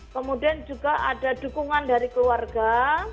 kemudian juga ada dukungan dari keluarga